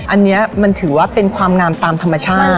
อันนี้มันถือว่าเป็นความงามตามธรรมชาติ